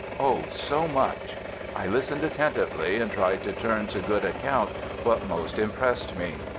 Oh, so much! I listened attentively and tried to turn to good account what most impressed me.